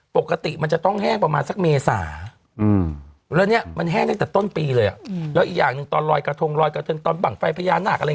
ปกติมันจะร้องแห้งประมาณซักเมษาแล้วนี้มันแห้งสักต้นปีเลย